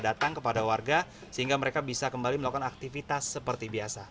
datang kepada warga sehingga mereka bisa kembali melakukan aktivitas seperti biasa